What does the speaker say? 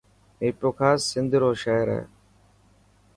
ميپرخاص سنڌ رو شهر هي.